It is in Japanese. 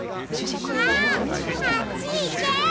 ああっちいけ！